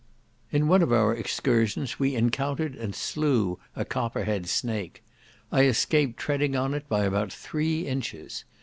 In one of our excursions we encountered and slew a copperhead snake. I escaped treading on it by about three inches.